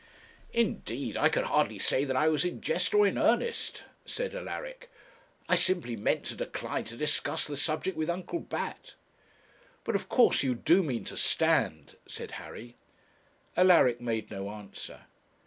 'Indeed I can hardly say that I was in jest or in earnest,' said Alaric. 'I simply meant to decline to discuss the subject with Uncle Bat.' 'But of course you do mean to stand?' said Harry. Alaric made no answer.